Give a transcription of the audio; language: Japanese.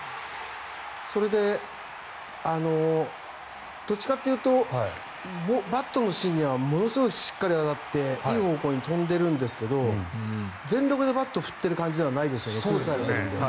それで、どっちかというとバットの芯にはものすごいしっかり当たっていい方向に飛んでるんですが全力でバットを振っている感じではないですよね